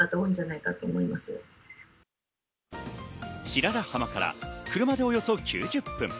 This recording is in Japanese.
白良浜から車でおよそ９０分。